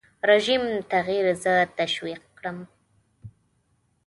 رژیم تغییر زه تشویق کړم.